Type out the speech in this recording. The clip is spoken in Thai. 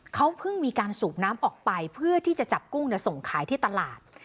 เขาเพิ่งมีการสูบน้ำออกไปเพื่อที่จะจับกุ้งส่งขายที่ตลาด